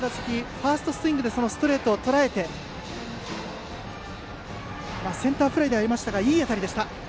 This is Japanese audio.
ファーストスイングでストレートをとらえてセンターフライではありましたがいい当たりでした。